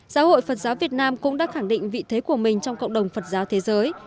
giáo hội phật giáo việt nam cũng đã khẳng định vị thế của mình trong cộng đồng phật giáo thế giới